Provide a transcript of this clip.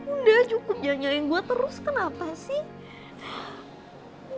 udah cukup jangan nyalain gue terus kenapa sih